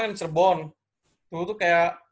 di cirebon dulu tuh kayak